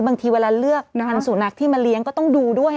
บางทีเวลาเลือกงานสุนัขที่มาเลี้ยงก็ต้องดูด้วย